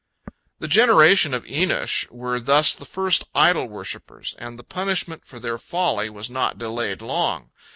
" The generation of Enosh were thus the first idol worshippers, and the punishment for their folly was not delayed long.